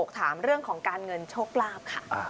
ถามเรื่องของการเงินโชคลาภค่ะ